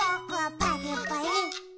パリッパリ。